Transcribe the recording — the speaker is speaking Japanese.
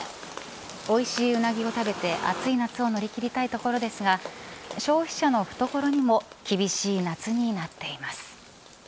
おいしいウナギを食べて暑い夏を乗り切りたいところですが消費者の懐にも厳しい夏になっています。